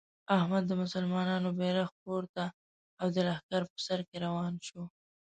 احمد د مسلمانانو بیرغ پورته او د لښکر په سر کې روان شو.